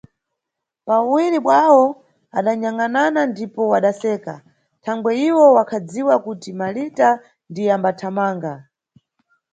Pawuwiri bwawo adanyangʼanana ndipo wadaseka, thangwe iwo wakhadziwa kuti Malita ndiye ambathamanga.